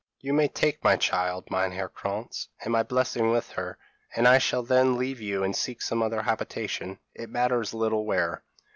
p> "'You may take my child, Meinheer Krantz, and my blessing with her, and I shall then leave you and seek some other habitation it matters little where.'